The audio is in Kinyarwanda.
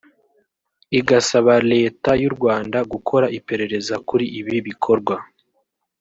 igasaba leta y’u Rwanda gukora iperereza kuri ibi bikorwa